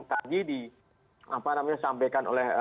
tadi disampaikan oleh